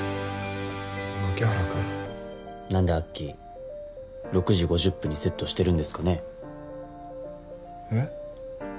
牧原君何でアッキー６時５０分にセットしてるんですかねえっ？